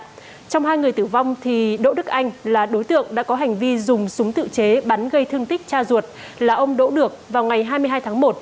trong hai người tử vong thì đỗ đức anh là đối tượng đã có hành vi dùng súng tự chế bắn gây thương tích cha ruột là ông đỗ được vào ngày hai mươi hai tháng một